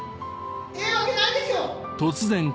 ええわけないでしょう！